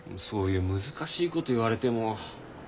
そういう難しいこと言われても。